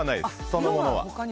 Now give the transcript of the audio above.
そのものは。